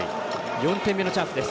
４点目のチャンスです。